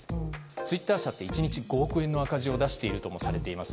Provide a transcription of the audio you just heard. ツイッター社って１日５億円の赤字を出しているともされています。